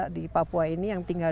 di papua ini yang tinggal